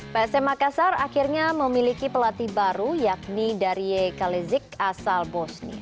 psm makassar akhirnya memiliki pelatih baru yakni darie kalezik asal bosnia